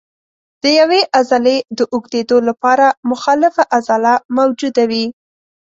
د یوې عضلې د اوږدېدو لپاره مخالفه عضله موجوده وي.